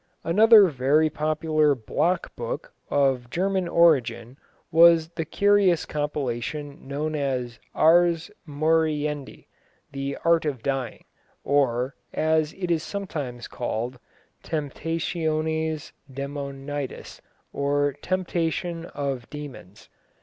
Another very popular block book, of German origin, was the curious compilation known as Ars Moriendi the Art of Dying or, as it is sometimes called, Temptationes Demonis, or Temptation of Demons.